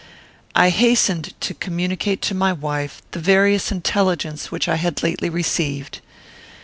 I hastened to communicate to my wife the various intelligence which I had lately received.